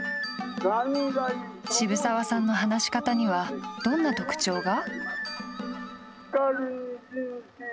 渋沢さんの話し方にはどんな特徴が？